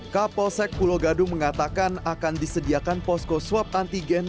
kapolsek pulau gadung mengatakan akan disediakan posko swab antigen